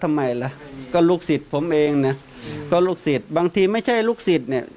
ฮ่าฮ่าฮ่าฮ่าฮ่าฮ่าฮ่าฮ่า